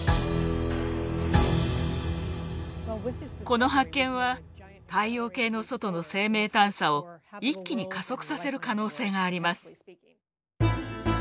この発見は太陽系の外の生命探査を一気に加速させる可能性があります。